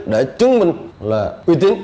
để chứng minh là uy tín